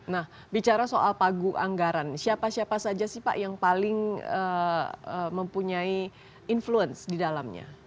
nah bicara soal pagu anggaran siapa siapa saja sih pak yang paling mempunyai influence di dalamnya